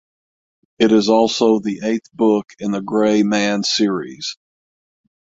It is also the eighth book in the Gray Man series.